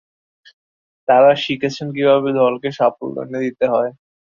তাঁরা শিখেছেন কীভাবে দলকে সাফল্য এনে দিতে হয়।